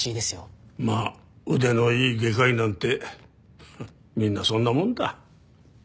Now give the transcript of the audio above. まあ腕のいい外科医なんてみんなそんなもんだ。